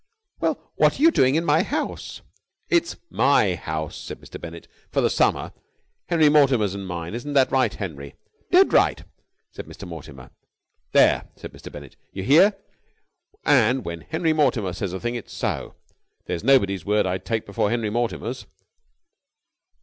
"Well, what are you doing in my house?" "It's my house," said Mr. Bennett, "for the summer, Henry Mortimer's and mine. Isn't that right, Henry?" "Dead right," said Mr. Mortimer. "There!" said Mr. Bennett. "You hear? And when Henry Mortimer says a thing, it's so. There's nobody's word I'd take before Henry Mortimer's."